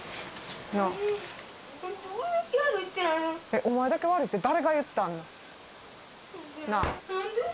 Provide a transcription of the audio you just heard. お前だけ悪いって誰が言った？